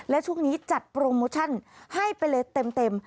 และช่วงนี้จัดโปรโมชั่นให้ไปเลยเต็ม